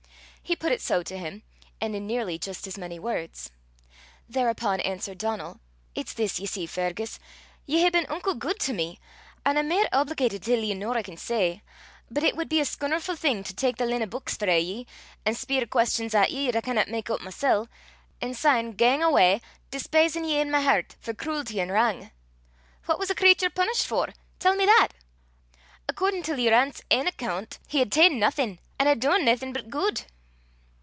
He put it so to him and in nearly just as many words. Thereupon answered Donal "It's this, ye see, Fergus: ye hae been unco guid to me, an' I'm mair obligatit till ye nor I can say. But it wad be a scunnerfu' thing to tak the len' o' buiks frae ye, an' speir quest'ons at ye 'at I canna mak oot mysel', an' syne gang awa despisin' ye i' my hert for cruelty an' wrang. What was the cratur punished for? Tell me that. Accordin' till yer aunt's ain accoont, he had ta'en naething, an' had dune naething but guid."